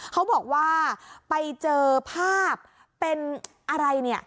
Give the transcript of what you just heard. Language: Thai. เขาบอกว่าไปเจอภาพเป็นอะไรเนี่ย